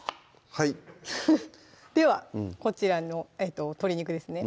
はいではこちらの鶏肉ですね